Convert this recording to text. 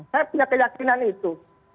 saya punya keyakinan itu